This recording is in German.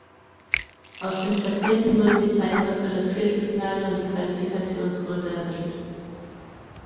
Aus den Platzierten wurden die Teilnehmer für das Viertelfinale und die Qualifikationsrunde ermittelt.